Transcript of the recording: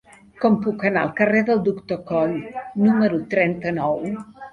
Com puc anar al carrer del Doctor Coll número trenta-nou?